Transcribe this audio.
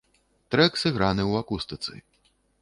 Трэк сыграны ў акустыцы.